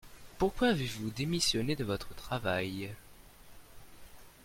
Pourquoi avez-vous démissionné de votre travail ?